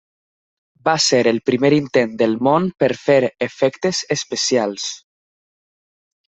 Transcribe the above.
Va ser el primer intent del món per fer efectes especials.